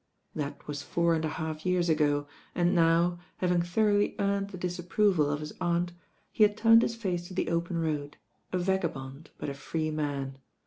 | That was four and a half years ago, and now, having thoroughly earned the disapproval of his aunt, he had turned his face to the open road, a vagabond; but a free man.